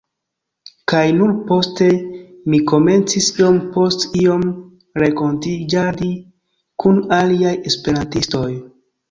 kaj nur poste mi komencis iom post iom renkontiĝadi kun aliaj esperantistoj.